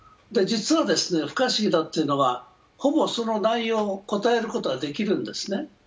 実は不可思議だというのは、ほぼその内容を答えることはできるんですね。